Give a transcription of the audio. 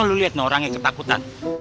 lo liat orangnya ketakutan